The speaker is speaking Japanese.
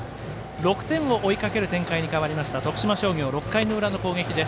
６点を追いかける展開に変わりました徳島商業６回の裏の攻撃。